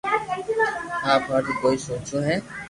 آپ ھارو ڪوئي سوچوو ھي